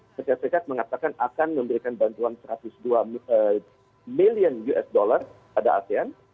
amerika serikat mengatakan akan memberikan bantuan satu ratus dua million us dollar pada asean